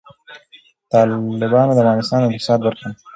تالابونه د افغانستان د اقتصاد برخه ده.